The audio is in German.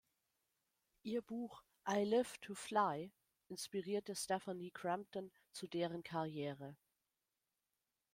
Ihr Buch "I Live to Fly" inspirierte Stefanie Crampton zu deren Karriere.